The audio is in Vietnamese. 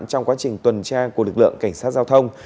trong quá trình tuần tra của lực lượng cảnh sát giao thông